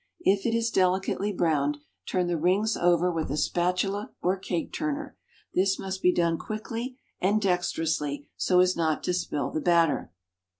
If it is delicately browned, turn the rings over with a spatula or cake turner. This must be done quickly and dexterously, so as not to spill the batter.